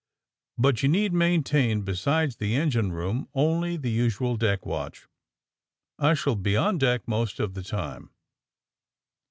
'^ But you need maintain, besides the engine room man, only the usual deck, watch. I shall be on deck most of the time."